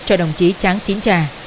cho đồng chí trắng xin trả